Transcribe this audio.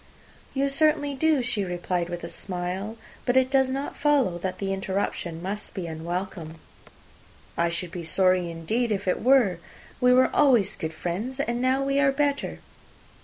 "You certainly do," she replied with a smile; "but it does not follow that the interruption must be unwelcome." "I should be sorry, indeed, if it were. We were always good friends, and now we are better."